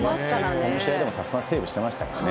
この試合でもたくさんセーブしてましたからね。